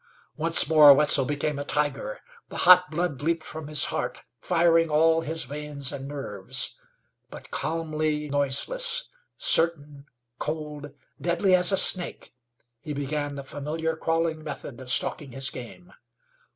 Once more Wetzel became a tiger. The hot blood leaped from his heart, firing all his veins and nerves. But calmly noiseless, certain, cold, deadly as a snake he began the familiar crawling method of stalking his game.